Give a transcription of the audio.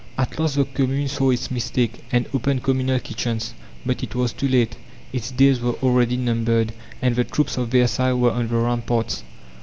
At last the Commune saw its mistake, and opened communal kitchens. But it was too late. Its days were already numbered, and the troops of Versailles were on the ramparts.